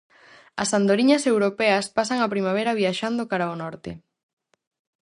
As andoriñas europeas pasan a primavera viaxando cara ao norte.